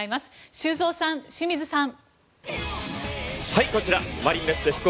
修造さん、清水さん。